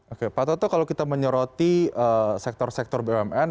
oke pak toto kalau kita menyoroti sektor sektor bumn